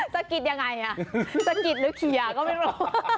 สะกิดยังไงสะกิดหรือเคลียร์ก็ไม่รู้